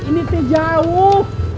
ini teh jawab